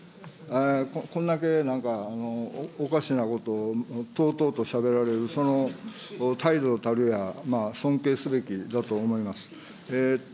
こんだけなんか、おかしなことをとうとうとしゃべられる、その態度たるや、尊敬すべきだと思います。